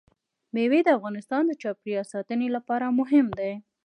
مېوې د افغانستان د چاپیریال ساتنې لپاره مهم دي.